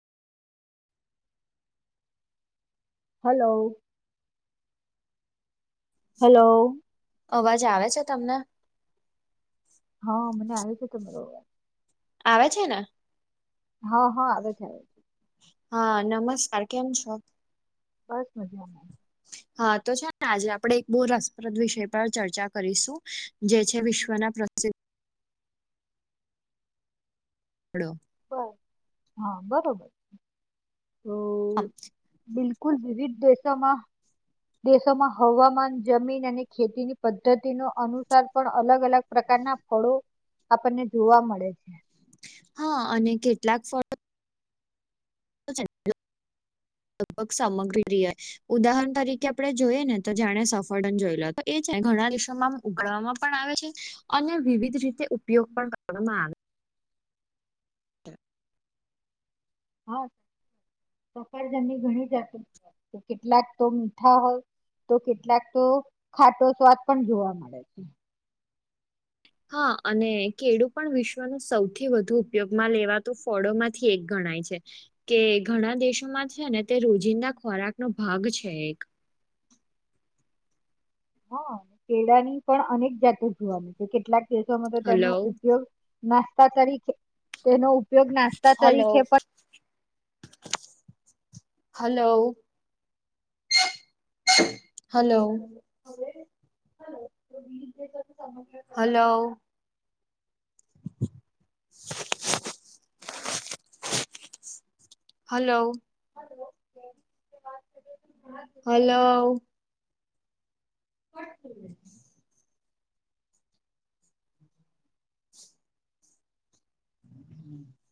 hello hello અવાજ આવે છે તમને હા મને આવ છે તમારો આવે છે ને હા હા આવે છે આવે હા નમસ્કાર કેમ છો બસ મજા આવે હા તો છે ને આજે આપડણે એક બહુ રસપ્રદ વિષય પર ચર્ચા કરીશું જે છે વિશ્વના પ્રસિદ્ધ પડો બ હા બરોબર તો હ બિલકુલ વિવિધ દેશોમાં દેશોમાં હવામાન જમીન અને ખેતીની પદ્ધતિ નો અનુસાર પણ અલગ અલગ પ્રકારના થોડો આપણને જોવા મળે છે હા અને કેટલાક ફળો છે ને લગભગ સામગ્રી રીએ ઉદાહરણ તરીકે આપડણે જોઈએ ને તો જાણે સફળડન જોય લો એ છે ઘણા દેશોમાં ઉગડવામાં પણ આવે છે અને વિવિધ રીતે ઉપયોગ પણ કરવામાં આવે છે હા સફરજની ઘણી જાત કેટલાક તો મીઠા હોય તો કેટલાક તો ખાટો સ્વાદ પણ જોવા મળે છે હા અને કેળું પણ વિશ્વનું સૌથી વધુ ઉપયોગમાં લેવાતું ફોળોમાંથી એક ગણાય છે કે ઘણા દેશોમાં છે ને તે રોજિંદા ખોરાક નો ભાગ છે એક હા કેળા ની પણ અનેક જાતો જોવાની છે કેટલાક કેસોમાં તો તેનો હલો ઉપયોગ નાસ્તા તરીકે તેનો ઉપયોગ નાસ્તા હલો તરીકે પણ hello hello hello hello hello [inaudible] હમ્મ